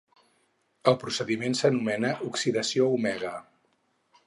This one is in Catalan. El procediment s'anomena oxidació omega.